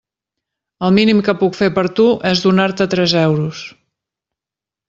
El mínim que puc fer per tu és donar-te tres euros.